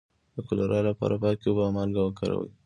د کولرا لپاره پاکې اوبه او مالګه وکاروئ